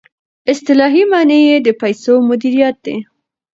اصطلاحي معنی یې د پیسو مدیریت دی.